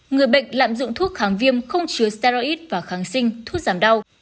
người bệnh lạm dụng thuốc kháng viêm không chứa starid và kháng sinh thuốc giảm đau